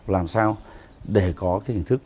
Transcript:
làm sao để có hình thức